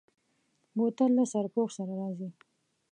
بوتل له سرپوښ سره راځي.